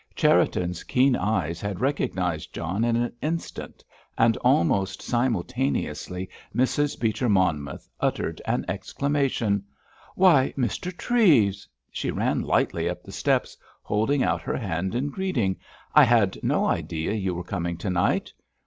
Cherriton's keen eyes had recognised John in an instant, and almost simultaneously Mrs. Beecher Monmouth uttered an exclamation. "Why, Mr. Treves!" She ran lightly up the steps, holding out her hand in greeting. "I had no idea you were coming to night."